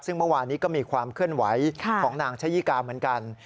ซึ่งเมื่อวานนี้ก็มีความเคลื่อนไหวของนางชะยี่กาเหมือนกัน